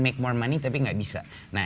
membuat lebih banyak uang tapi tidak bisa